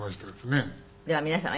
では皆様